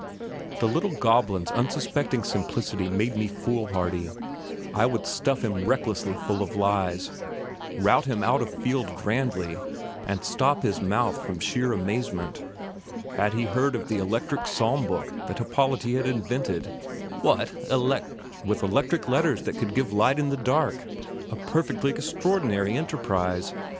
The little goblin's unsuspecting simplicity made me foolhardy; I would stuff him recklessly full of lies; rout him out o' field grandly, and stop his mouth from sheer amazement. Had he heard of the electric psalm book that Happolati had invented? "What? Elec " "With electric letters that could give light in the dark! a perfectly extraordinary enterprise.